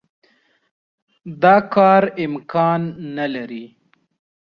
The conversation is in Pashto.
دا کار امکان نه لري.